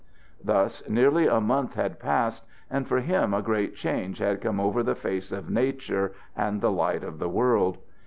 Thus, nearly a month had passed, and for him a great change had come over the face of nature and the light of the world.